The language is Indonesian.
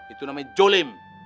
itu namanya jolim